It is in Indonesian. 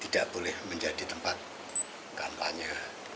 tidak boleh menjadi tempat kampanye